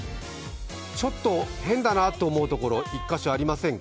ちょっと変だなと思うところ、１か所ありませんか？